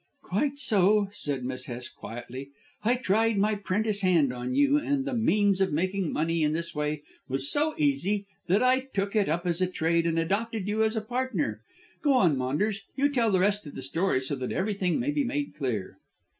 "Quite so," said Miss Hest quietly. "I tried my 'prentice hand on you, and the means of making money in this way was so easy that I took it up as a trade and adopted you as a partner. Go on, Maunders, you tell the rest of the story so that everything may be made clear."